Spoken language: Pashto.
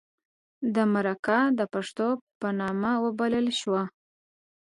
د مرکه د پښتو په نامه وبلله شوه.